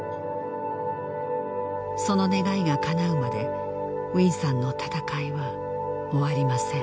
その願いがかなうまでウィンさんの闘いは終わりません